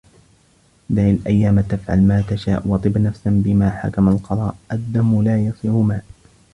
دع الأيام تفعل ما تشاء وطب نفسا بما حكم القضاء الدم لا يصير ماء